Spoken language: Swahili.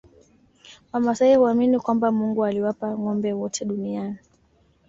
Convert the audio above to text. Wamasai huamini kwamba Mungu aliwapa ngombe wote duniani